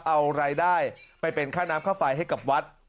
เอารายได้ไปเป็นค่าน้ำค่าไฟให้กับวัด